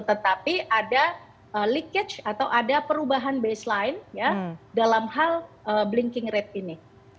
tetapi ada likage atau ada perubahan baseline dalam hal blinking rate ini